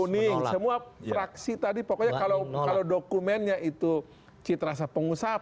kuning semua fraksi tadi pokoknya kalau dokumennya itu citra pengusaha